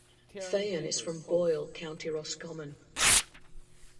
Feighan is from Boyle, County Roscommon.